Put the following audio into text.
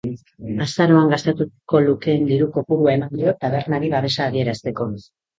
Azaroan gastatuko lukeen diru kopurua eman dio, tabernari babesa adierazteko.